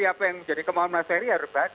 apa yang menjadi kemampuan ferry ya